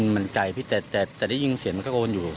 มันไกลแต่ได้ยินเสียงตะโกนอยู่